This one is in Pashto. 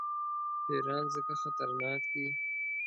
پیران ځکه خطرناک دي.